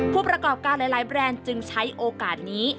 ผู้ประกอบการหลายแบรนด์จึงใช้โอกาสนี้